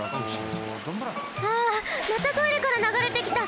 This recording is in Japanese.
あまたトイレからながれてきた！